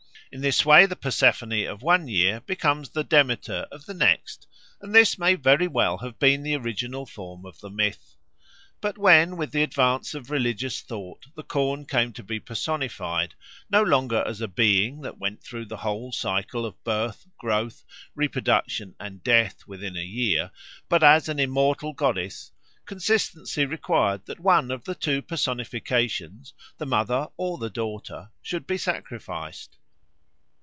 In this way the Persephone of one year becomes the Demeter of the next, and this may very well have been the original form of the myth. But when with the advance of religious thought the corn came to be personified no longer as a being that went through the whole cycle of birth, growth, reproduction, and death within a year, but as an immortal goddess, consistency required that one of the two personifications, the mother or the daughter, should be sacrificed.